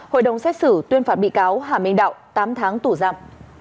hội đồng xét xử tuyên phạt bị cáo hà minh đạo tám tháng tù giam